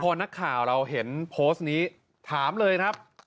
พอนักข่าวเราเห็นโพสต์นี้ถามเลยครับ